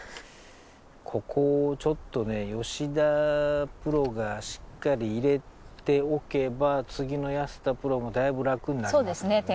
ここをちょっと吉田プロがしっかり入れておけば次の安田プロもだいぶ楽になりますよね。